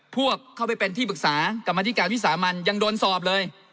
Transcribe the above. เข้าไปเป็นที่ปรึกษากรรมธิการวิสามันยังโดนสอบเลย